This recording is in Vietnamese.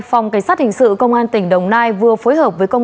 phòng cảnh sát hình sự công an tỉnh đồng nai vừa phối hợp với công an